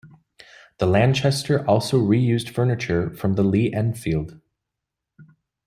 The Lanchester also reused furniture from the Lee-Enfield.